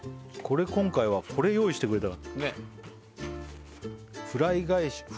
今回はこれ用意してくれたからフライ返し！